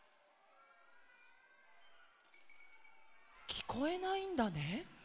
きこえないんだね？